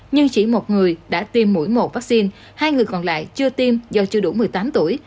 nhưng chỉ một người đã tiêm mũi một vaccine hai người còn lại chưa tiêm do chưa đủ một mươi tám tuổi